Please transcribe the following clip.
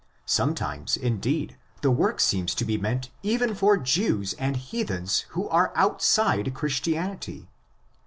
Sometimes, indeed, the work seems to be meant even for Jews and heathens who are outside Christianity.